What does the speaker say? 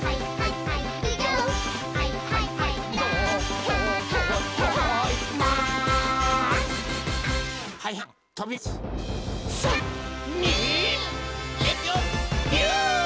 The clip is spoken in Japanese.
「はいはいはいはいマン」